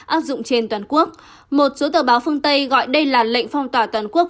áp dụng trên toàn quốc một số tờ báo phương tây gọi đây là lệnh phong tỏa toàn quốc